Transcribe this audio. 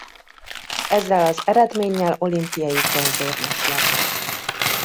Ezzel az eredménnyel olimpiai bronzérmes lett.